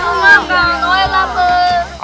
oh ya lupa